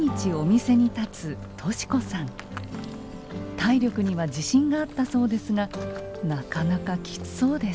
体力には自信があったそうですがなかなかきつそうです。